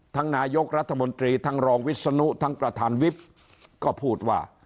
นายกรัฐมนตรีทั้งรองวิศนุทั้งประธานวิบก็พูดว่า